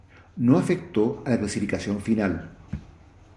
No afectó a la clasificación final.